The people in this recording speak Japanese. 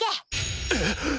えっ！